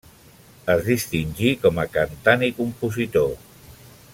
Es distingí com a cantant i compositor.